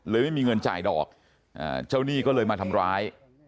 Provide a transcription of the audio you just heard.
ไม่มีเงินจ่ายดอกเจ้าหนี้ก็เลยมาทำร้าย